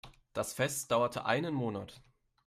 Das Fest dauerte einen Monat.